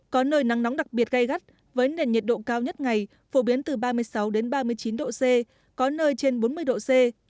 có nơi nắng nóng đặc biệt gai gắt với nền nhiệt độ cao nhất ngày phổ biến từ ba mươi sáu ba mươi chín độ c có nơi trên bốn mươi độ c